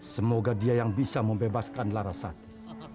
semoga dia yang bisa membebaskan larasati